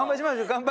乾杯。